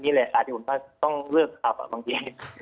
ที่ผมต้องเลือกขับบางที